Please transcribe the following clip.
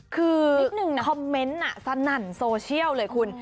คือคอมเมนต์สนั่นโซเชียลเลยคุณ